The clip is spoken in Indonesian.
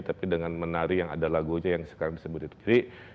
tapi dengan menari yang ada lagunya yang sekarang disebut itu kiri